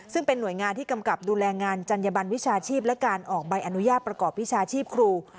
ซึ่งเป็นหน่วยงานที่กำกับดูแลงานจัญญบันวิชาชีพและการออกใบอนุญาตประกอบวิชาชีพครู